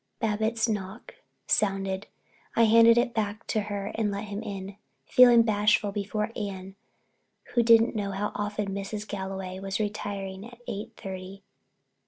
Babbitts' knock sounding, I handed it back to her and let him in, feeling bashful before Anne, who didn't know how often Mrs. Galway was retiring at eight thirty.